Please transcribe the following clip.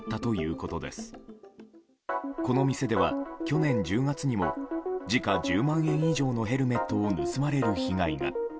この店では去年１０月にも時価１０万円以上のヘルメットを盗まれる被害が。